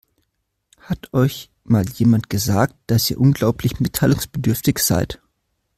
Hat euch mal jemand gesagt, dass ihr unglaublich mitteilungsbedürftig seid?